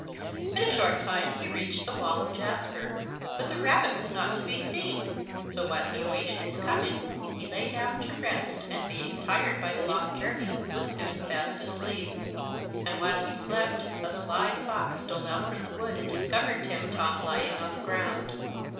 In a short time he reached the wall of jasper, but the rabbit was not to be seen. So, while he awaited its coming, he lay down to rest, and being tired by the long journey was soon fast asleep. And while he slept a Sly Fox stole out from the wood and discovered Timtom lying on the ground.